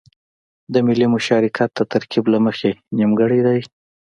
د ملي مشارکت د ترکيب له مخې نيمګړی دی.